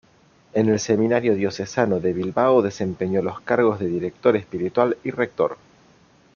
En el seminario diocesano de Bilbao desempeñó los cargos de director espiritual y rector.